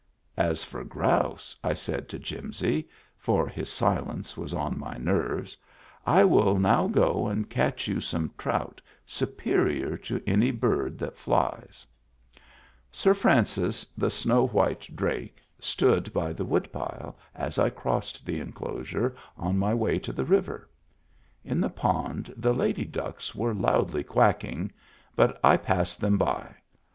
" As for grouse," I said to Jimsy, for his silence was on my nerves, " I will now go and catch you some trout superior to any bird that flies." Digitized by Google 288 MEMBERS OF THE FAMILY Sir Francis, the snow white drake, stood by the woodpile as I crossed the enclosure on my way to the riven In the pond the lady ducks were loudly quacking, but I passed them by.